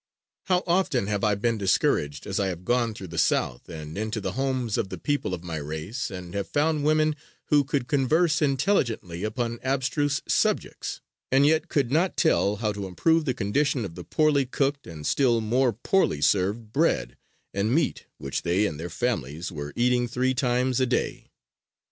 How often have I been discouraged as I have gone through the South, and into the homes of the people of my race, and have found women who could converse intelligently upon abstruse subjects, and yet could not tell how to improve the condition of the poorly cooked and still more poorly served bread and meat which they and their families were eating three times a day.